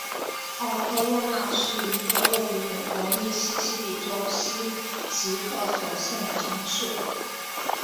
奥科洛纳是一个位于美国密西西比州奇克索县的城市。